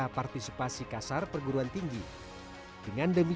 kepada resteran hispan kontraryum penerbitan bernaturan dengan jaminan